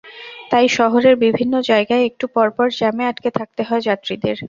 তাই শহরের বিভিন্ন জায়গায় একটু পরপর জ্যামে আটকে থাকতে হয় যাত্রীদের।